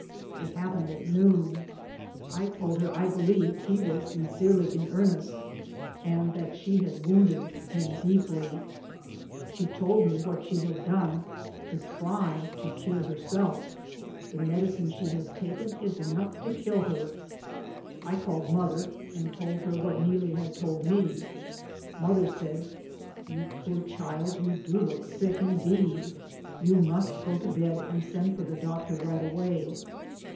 It happened at noon. I told her I believed he was sincerely in earnest and that she had wounded him deeply. She told me what she had done to try to cure herself; the medicine she has taken is enough to kill her. I called mother and told her what Neelie had told me. Mother said, "You poor child, you do look sick, indeed; you must go to bed and send for the doctor right away."